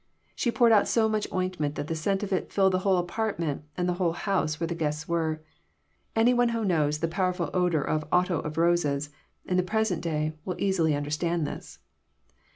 She poure<^ out so much ointment that the scent of it filled the whole apartment and the whole house where the guests were. Any one who knows the powerful odour of otto of roses, in the present day, will easily understand this.